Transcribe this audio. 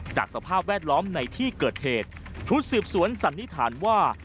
สภาพแวดล้อมในที่เกิดเหตุชุดสืบสวนสันนิษฐานว่า